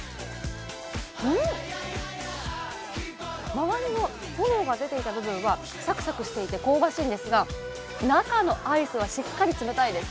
周りの炎が出ていた部分はサクサクしていて香ばしいんですが、中のアイスがしっかり冷たいです。